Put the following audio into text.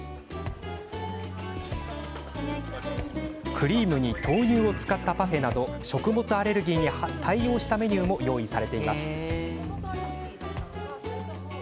クリームに豆乳を使ったパフェなど食物アレルギーに対応したメニューも用意されています。